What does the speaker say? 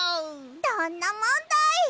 どんなもんだい！